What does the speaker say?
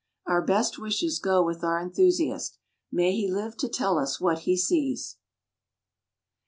Our best wishes go with our enthusiast. May he live to tell us what he sees!